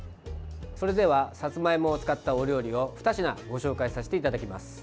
それではさつまいもを使ったお料理を２品ご紹介させていただきます。